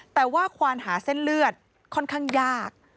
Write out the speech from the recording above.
แต่ว่าควานหาเส้นเลือดค่อนข้างยาก